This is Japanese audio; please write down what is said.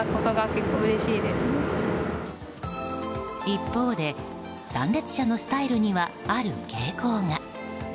一方で、参列者のスタイルにはある傾向が。